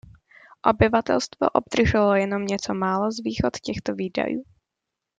Obyvatelstvo obdrželo jenom něco málo z výhod těchto výdajů.